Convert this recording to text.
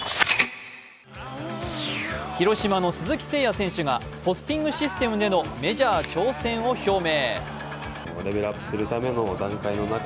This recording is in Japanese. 広島の鈴木誠也選手がポスティングシステムでのメジャー挑戦を表明。